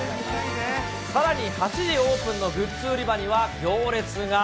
さらに８時オープンのグッズ売り場には行列が。